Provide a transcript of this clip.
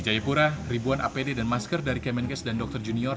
jayapura ribuan apd dan masker dari kemenkes dan dokter junior